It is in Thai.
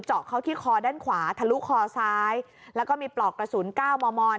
เข้าที่คอด้านขวาทะลุคอซ้ายแล้วก็มีปลอกกระสุน๙มม